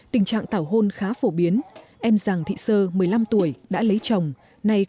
tình trạng khó khăn như thế này